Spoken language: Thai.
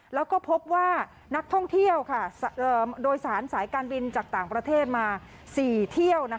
แล้วก็พบว่านักท่องเที่ยวโดยสารสายการบินจากต่างประเทศมา๔เที่ยว